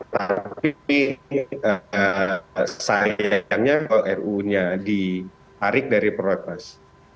tapi sayangnya kalau ruu nya ditarik dari prolegnas